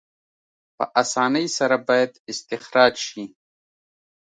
په اسانۍ سره باید استخراج شي.